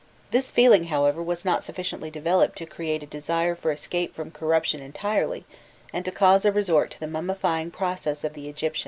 This feeling, however, was not sufficiently developed to create a desire for escape from corruption entirely, and to cause a resort to the mummifying process of the Egyptians.